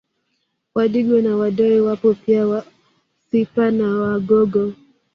Wadigo na Wadoe wapo pia Wafipa na Wagogo